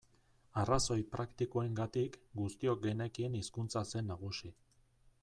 Arrazoi praktikoengatik guztiok genekien hizkuntza zen nagusi.